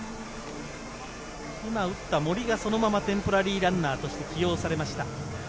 今、打った森がそのままテンポラリーランナーとして起用されました。